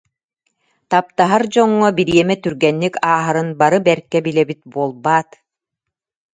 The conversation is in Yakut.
Таптаһар дьоҥҥо бириэмэ түргэнник ааһарын бары бэркэ билэбит буолбаат